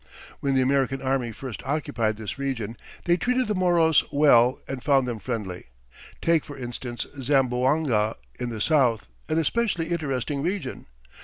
When the American army first occupied this region they treated the Moros well and found them friendly. Take for instance Zamboanga in the south, an especially interesting region.